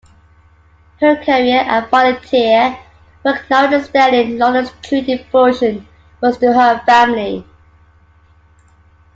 Her career and volunteer work notwithstanding, Lorna's true devotion was to her family.